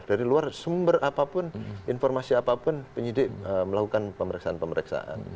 dari luar sumber apapun informasi apapun penyidik melakukan pemeriksaan pemeriksaan